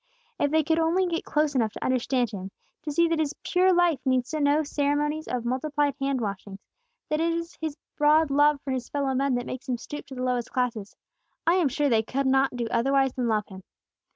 "If they only could get close enough to understand Him; to see that His pure life needs no ceremonies of multiplied hand washings; that it is His broad love for His fellow men that makes Him stoop to the lowest classes, I am sure they could not do otherwise than love Him.